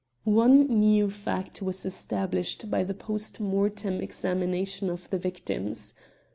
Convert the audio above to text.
One new fact was established by the post mortem examination of the victims.